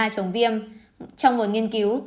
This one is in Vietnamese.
chống viêm trong một nghiên cứu